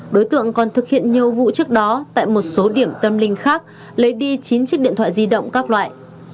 đối tượng còn thực hiện nhiều vụ trước đó tại một số điểm tâm linh khác lấy đi chín chiếc điện thoại di động các loại